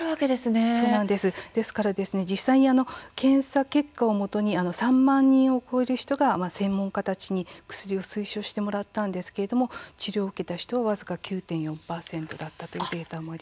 ですから実際、検査結果をもとに３万人を超える人が専門医たちに薬を推奨してもらったんですが治療を受けた人は僅か９．４％だったんです。